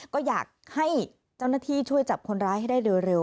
ก็อยากให้เจ้าหน้าที่ช่วยจับคนร้ายให้ได้โดยเร็ว